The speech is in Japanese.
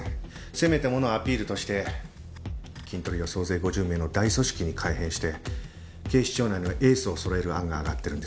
せめてものアピールとしてキントリを総勢５０名の大組織に改編して警視庁内のエースをそろえる案が上がってるんです。